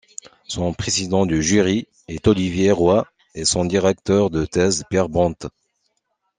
Son président de jury est Olivier Roy et son directeur de thèse Pierre Bonte.